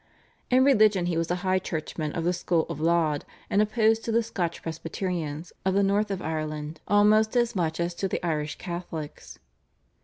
In religion he was a High Churchman of the school of Laud, and opposed to the Scotch Presbyterians of the North of Island almost as much as to the Irish Catholics.